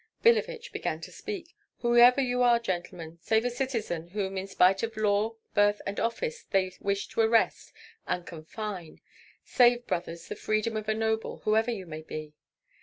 Billevich began to speak: "Whoever you are, gentlemen, save a citizen whom in spite of law, birth, and office they wish to arrest and confine. Save, brothers, the freedom of a noble, whoever you may be."